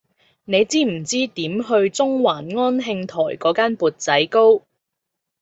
你知唔知點去中環安慶台嗰間缽仔糕